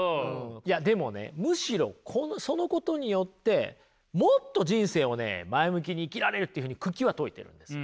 いやでもねむしろそのことによってもっと人生をね前向きに生きられるっていうふうに九鬼は説いてるんですよ。